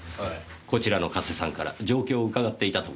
こちらの加瀬さんから状況を伺っていたところです。